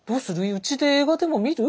うちで映画でも見る？